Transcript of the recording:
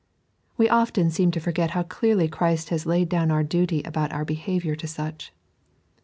We often seem to forget how clearly Christ has kid down our duty about our behaviour to such.